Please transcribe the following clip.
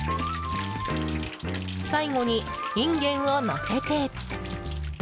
最後にインゲンをのせて。